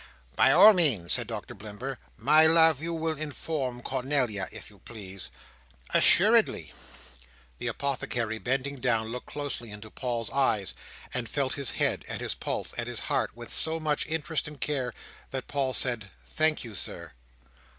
"By all means," said Doctor Blimber. "My love, you will inform Cornelia, if you please." "Assuredly," said Mrs Blimber. The Apothecary bending down, looked closely into Paul's eyes, and felt his head, and his pulse, and his heart, with so much interest and care, that Paul said, "Thank you, Sir."